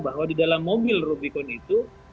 bahwa di dalam mobil rubicon itu